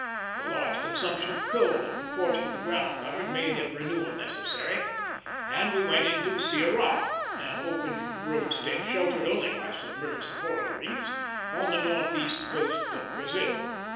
The large consumption of coal in proportion to the ground covered made a renewal necessary, and we went into Ciará, an open roadstead sheltered only by submerged coral reefs, on the northeast coast of Brazil.